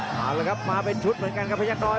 มาเลยครับมาเป็นชุดเหมือนกันครับพยายามน้อย